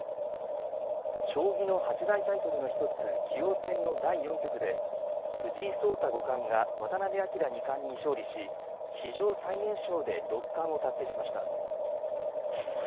将棋の八大タイトルの１つ棋王戦の第４局で藤井聡太五冠が渡辺明二冠に勝利し史上最年少で六冠を達成しました。